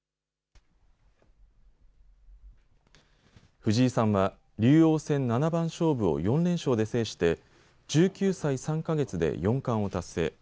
藤井さんは、竜王戦七番勝負を４連勝で制して１９歳３か月で四冠を達成。